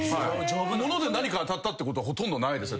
もので何か当たったってことはほとんどないですね